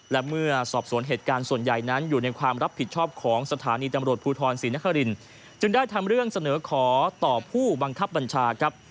และเมื่อสอบสวนเหตุการณ์ส่วนใหญ่นั้นอยู่ในความรับผิดชอบของสถานีตำรวจภูทรศรีนครินจึงได้ทำเรื่องเสนอขอต่อผู้บังคับบัญชาครับ